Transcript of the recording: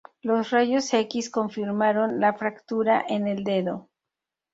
Los rayos X confirmaron la fractura en el dedo.